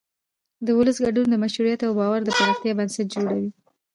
د ولس ګډون د مشروعیت او باور د پراختیا بنسټ جوړوي